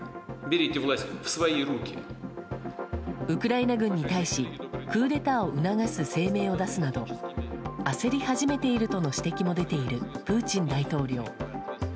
ウクライナ軍に対しクーデターを促す声明を出すなど焦り始めているとの指摘も出ているプーチン大統領。